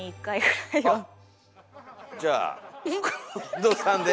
じゃあ近藤さんで。